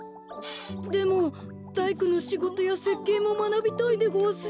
でもだいくのしごとやせっけいもまなびたいでごわすし。